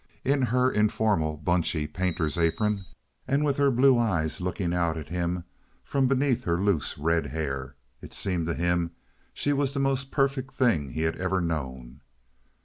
In her informal, bunchy painter's apron, and with her blue eyes looking out at him from beneath her loose red hair, it seemed to him she was the most perfect thing he had ever known.